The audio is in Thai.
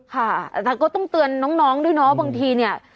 ค่ะแต่ก็ต้องเตือนน้องด้วยเนาะบางทีเนี่ย